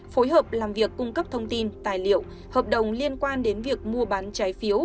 phối hợp làm việc cung cấp thông tin tài liệu hợp đồng liên quan đến việc mua bán trái phiếu